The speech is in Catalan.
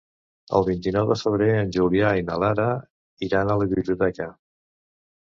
El vint-i-nou de febrer en Julià i na Lara iran a la biblioteca.